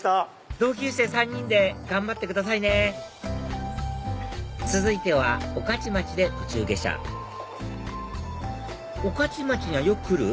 同級生３人で頑張ってくださいね続いては御徒町で途中下車御徒町にはよく来る？